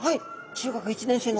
中学１年生の頃に。